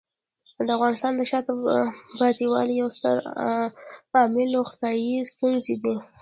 د افغانستان د شاته پاتې والي یو ستر عامل روغتیايي ستونزې دي.